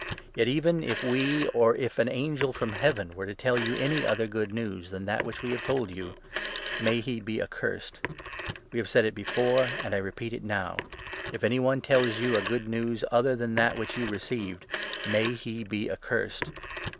Yet even if we or if an angel from 8 Heaven were to tell you any other ' Good News ' than that which we told you, may he be accursed ! We have said it 9 before, and I repeat it now — If any one tells you a 'Good News ' other than that which you received, may he be accursed